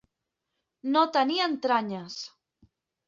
No tenir entranyes.